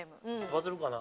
バズるかな？